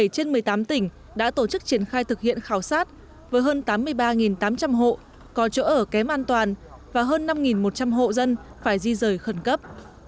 bảy trên một mươi tám tỉnh đã tổ chức triển khai thực hiện khảo sát với hơn tám mươi ba tám trăm linh hộ có chỗ ở kém an toàn và hơn năm một trăm linh hộ dân phải di rời khẩn cấp